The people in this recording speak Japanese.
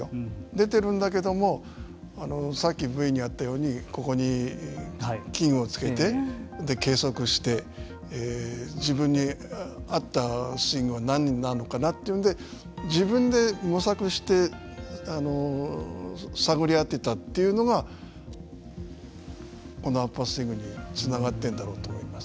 出てるんだけどもあのさっきＶにあったようにここに器具をつけて計測して自分に合ったスイングは何になるのかなというので自分で模索して探り当てたというのがこのアッパースイングにつながってんだろうと思います。